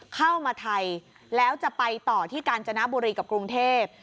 เข้ามาไทยแล้วจะไปต่อที่กาญจนบุรีกับกรุงเทพ